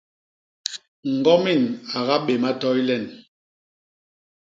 Ñgomin a gabéma toy len!